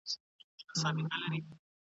که ښه عادت تکرار سي نو پخیږي.